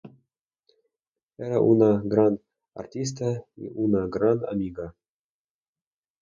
Era una gran artista y una gran amiga.